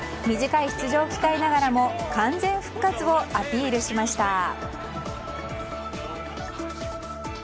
短い出場機会ながらも完全復活をアピールしました。